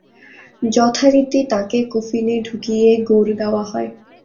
যথারীতি তাঁকে কফিনে ঢুকিয়ে গোর দেওয়া হয়।